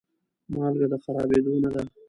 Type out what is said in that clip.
مالګه د خرابېدو نه ده.